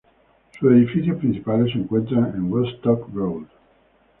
Sus edificios principales se encuentran en Woodstock Road.